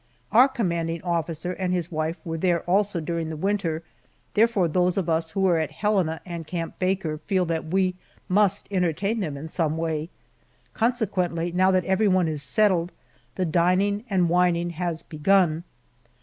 Our commanding officer and his wife were there also during the winter, therefore those of us who were at Helena and Camp Baker, feel that we must entertain them in some way. Consequently, now that everyone is settled, the dining and wining has begun.